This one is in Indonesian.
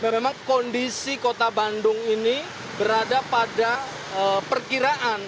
memang kondisi kota bandung ini berada pada perkiraan